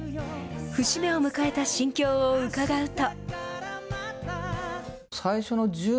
節目を迎えた心境を伺うと。